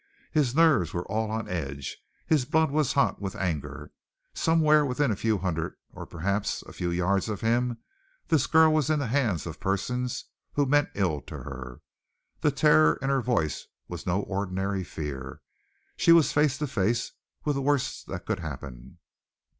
His nerves were all on edge, his blood was hot with anger. Somewhere within a few hundred, perhaps a few yards of him, this girl was in the hands of persons who meant ill to her. The terror in her voice was no ordinary fear. She was face to face with the worst that could happen.